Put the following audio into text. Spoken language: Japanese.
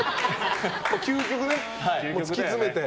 究極ね、突き詰めて。